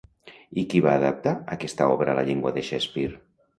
I qui va adaptar aquesta obra a la llengua de Shakespeare?